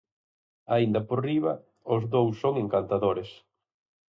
Aínda por riba, os dous son encantadores.